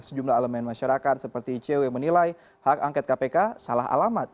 sejumlah elemen masyarakat seperti icw menilai hak angket kpk salah alamat